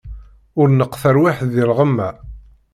Ur neqq tarwiḥt di lɣemma.